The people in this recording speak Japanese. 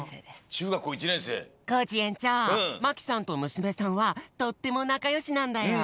コージ園長真木さんとむすめさんはとってもなかよしなんだよ。